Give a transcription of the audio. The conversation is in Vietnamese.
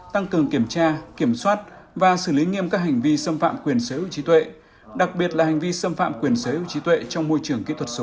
tăng cường kiểm tra kiểm soát và xử lý nghiêm các hành vi xâm phạm quyền sở hữu trí tuệ đặc biệt là hành vi xâm phạm quyền sở hữu trí tuệ trong môi trường kỹ thuật số